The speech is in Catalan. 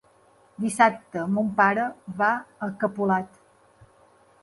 Dissabte mon pare va a Capolat.